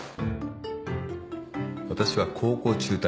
私は高校中退。